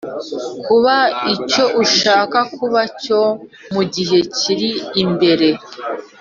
kuba icyo ushaka kuba cyo mu gihe kiri imbere,